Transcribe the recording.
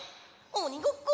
おにごっこ！